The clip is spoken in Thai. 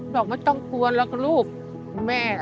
เราไม่ต้องกลัวรักลูกแม่